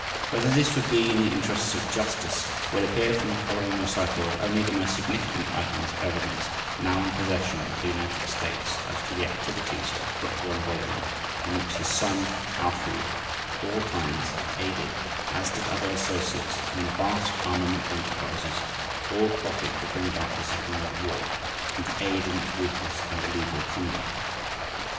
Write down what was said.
Whether this would be "in the interests of justice" will appear from the following recital of only the most significant items of evidence now in possession of the United States as to the activities of Krupp von Bohlen in which his son, Alfried, at all times aided as did other associates in the vast armament enterprises, all plotting to bring about the second World War, and to aid in its ruthless and illegal conduct.